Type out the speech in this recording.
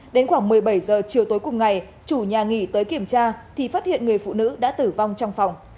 đến khoảng một mươi bảy h chiều tối cùng ngày chủ nhà nghỉ tới kiểm tra thì phát hiện người phụ nữ đã tử vong trong phòng